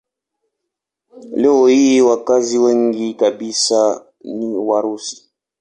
Leo hii wakazi wengi kabisa ni Warusi.